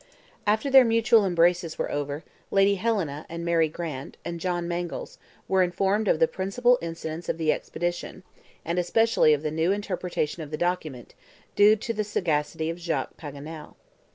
After their mutual embraces were over, Lady Helena, and Mary Grant, and John Mangles, were informed of the principal incidents of the expedition, and especially of the new interpretation of the document, due to the sagacity of Jacques Paganel.